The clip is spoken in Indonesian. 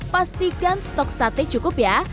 pastikan stok sate cukup ya